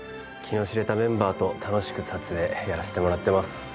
気の知れたメンバーと楽しく撮影やらせてもらってます